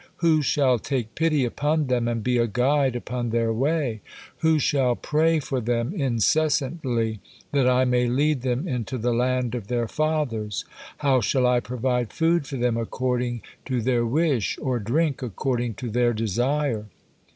Who shall take pity upon them and be a guide upon their way? Who shall pray for them incessantly, that I may lead them into the land of their fathers? How shall I provide food for them according to their wish, or drink according to their desire?